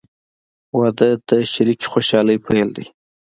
• واده د شریکې خوشحالۍ پیل دی.